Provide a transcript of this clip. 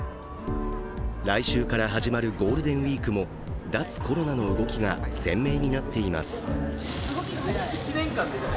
来週から始まるゴールデンウイークも脱コロナの動きが鮮明になっています。